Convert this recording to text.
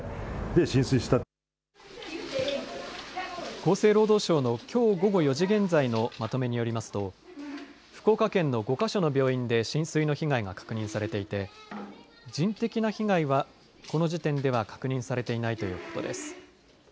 厚生労働省のきょう午後４時現在のまとめによりますと福岡県の５か所の病院で浸水の被害が確認されていて人的な被害はこの時点では確認されていないということです。